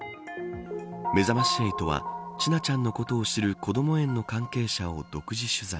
めざまし８は、千奈ちゃんのことを知る、こども園の関係者を独自取材。